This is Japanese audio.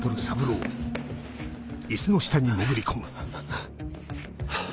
ハァハァ。